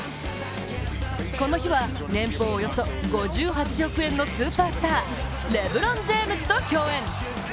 この日は年俸およそ５８億円のスーパースター、レブロン・ジェームズと共演。